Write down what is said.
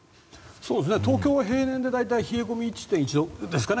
東京は平年で大体冷え込み、１．１度ですかね